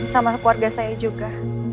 sama keluarga saya juga